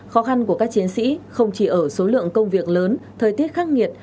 khó khăn của các chiến sĩ không chỉ ở số lượng công việc lớn thời tiết khắc nghiệt